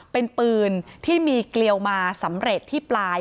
เป็นปืนที่มีเกลียวมาสำเร็จที่ปลาย